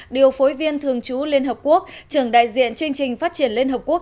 điều phối viên thường trú liên hợp quốc trưởng đại diện chương trình phát triển liên hợp quốc